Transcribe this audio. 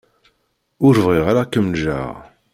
Ur bɣiɣ ara ad kem-ǧǧeɣ.